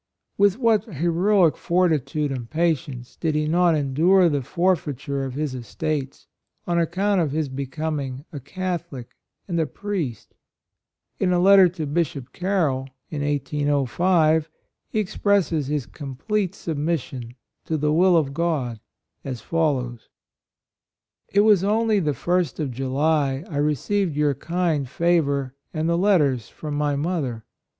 With what heroic fortitude and patience did he not endure the for feiture of his estates, on account of his becoming a Catholic and a priest ! In a letter to Bishop Car roll, in 1805, he expresses his com AND DIFFICULTIES. 87 plete submission to the will of God as follows: " It was only the 1st of July I received your kind favor and the letters from my mother.